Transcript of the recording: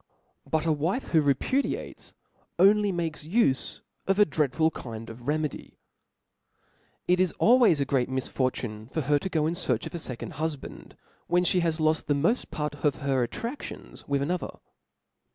But a wife who repudiates, only inakes ufe of a dreadful kind of remedy. It is always a great misfortune for her to go in iearch of a fecond hufband, when (he has loft the moft part of her attradlions with another.